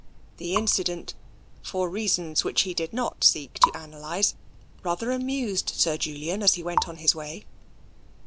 The incident, for reasons which he did not seek to analyse, rather amused Sir Julian as he went on his way.